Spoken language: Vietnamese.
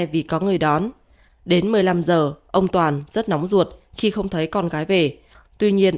vì có người đón đến một mươi năm giờ ông toàn rất nóng ruột khi không thấy con gái về tuy nhiên